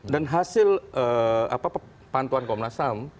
dan hasil pantuan komnas ham